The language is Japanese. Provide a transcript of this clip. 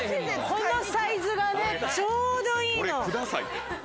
このサイズがね、ちょうどいいの。